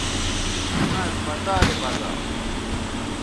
مہ اسپتالے بزا